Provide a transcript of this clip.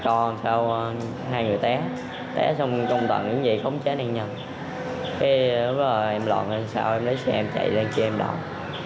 ăn chơi leo lỏng tụ tập cướp dật tài sản với thủ đoạn hết sức tinh vi manh động